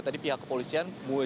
tadi pihak kepolisian mundur